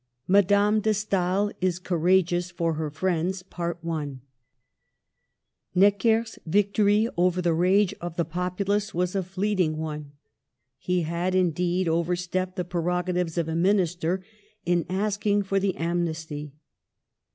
MADAME DE STAEL IS COURAGEOUS FOR HER FRIENDS. Necker's victory over the rage of the populace was a fleeting one. He had, indeed, overstepped the prerogatives of a Minister in asking for the amnesty.